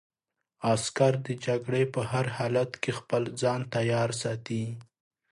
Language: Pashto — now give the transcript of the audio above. عسکر د جګړې په هر حالت کې خپل ځان تیار ساتي.